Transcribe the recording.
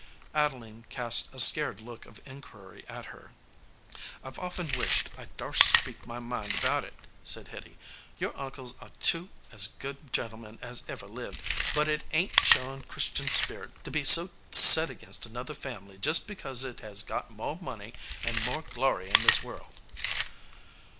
Adeline cast a scared look of inquiry at her. "I ve often wished I darst speak my mind about it," said Hitty. "Your uncles are two as good gen tlemen as ever lived, but it ain t showing Christian spirit to be so set against another family just be cause it has got more money and more glory in this world."